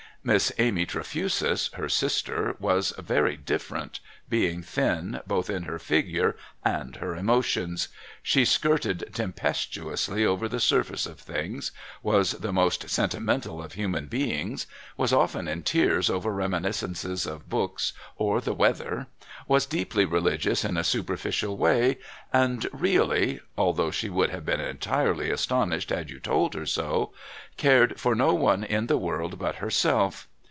Miss Amy Trefusis, her sister, was very different, being thin both in her figure and her emotions. She skirted tempestuously over the surface of things, was the most sentimental of human beings, was often in tears over reminiscences of books or the weather, was deeply religious in a superficial way, and really although she would have been entirely astonished had you told her so cared for no one in the world but herself.